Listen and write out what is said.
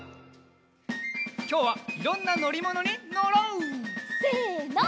きょうはいろんなのりものにのろう！せの。